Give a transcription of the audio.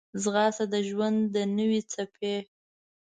ځغاسته د ژوند د نوې څپې